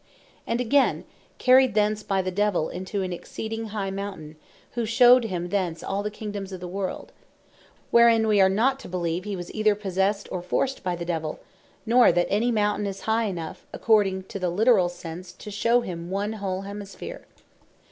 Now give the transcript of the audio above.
And again, "carryed thence by the Devill into an exceeding high mountain, who shewed him them thence all the Kingdomes of the world:" herein, wee are not to beleeve he was either possessed, or forced by the Devill; nor that any Mountaine is high enough, (according to the literall sense,) to shew him one whole Hemisphere.